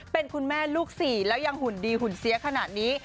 เป็นคุณแม่ลูกสี่แล้วยังหุ่นดีหุ่นเสียขนาดนี้